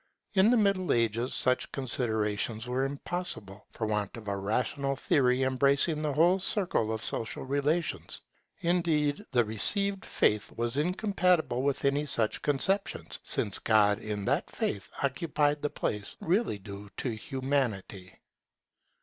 In the Middle Ages such considerations were impossible, for want of a rational theory embracing the whole circle of social relations. Indeed the received faith was incompatible with any such conception, since God in that faith occupied the place really due to Humanity.